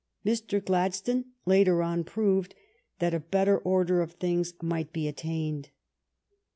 ^"^™' i*'"'™' Mr. Gladstone, later on, proved that a better order of things might be attained.